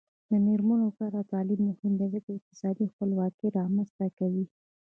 د میرمنو کار او تعلیم مهم دی ځکه چې اقتصادي خپلواکۍ رامنځته کوي.